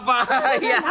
oh enggak apa apa